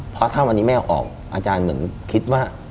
เพราะถ้าวันนี้ไม่เอาออกอาจารย์เหมือนคิดว่า